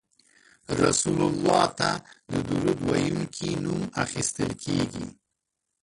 رسول الله ته د درود ویونکي نوم اخیستل کیږي